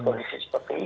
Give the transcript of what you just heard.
kondisi seperti ini